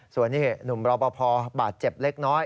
ส่วนนี้หนุ่มรอปภบาดเจ็บเล็กน้อย